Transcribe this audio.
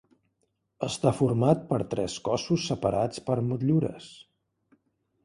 Està format per tres cossos separats per motllures.